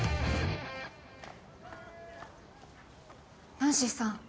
ナンシーさん。